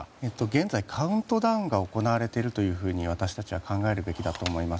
現在カウントダウンが行われていると私たちは考えるべきだと思います。